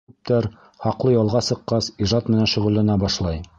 Күптәр, хаҡлы ялға сыҡҡас, ижад менән шөғөлләнә башлай.